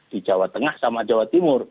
di jawa tengah sama jawa timur